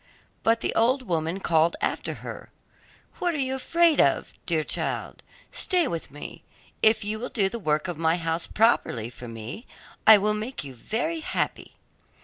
But the old woman called after her, 'What are you afraid of, dear child? Stay with me; if you will do the work of my house properly for me, I will make you very happy.